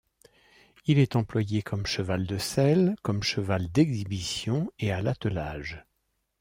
Il est employé comme cheval de selle, comme cheval d'exhibition, et à l'attelage.